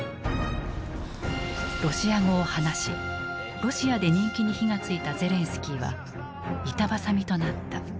ロシア語を話しロシアで人気に火が付いたゼレンスキーは板挟みとなった。